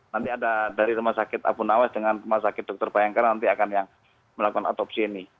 nanti ada dari rumah sakit abu nawas dengan rumah sakit dokter bayangkara nanti akan yang melakukan otopsi ini